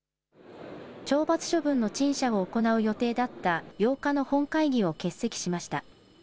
懲罰処分の陳謝を行う予定だった８日の本会議を欠席しました。